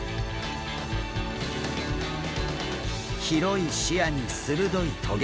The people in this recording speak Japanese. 広い視野に鋭い棘。